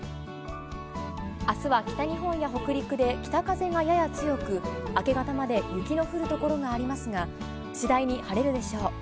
あすは北日本や北陸で、北風がやや強く、明け方まで雪の降る所がありますが、次第に晴れるでしょう。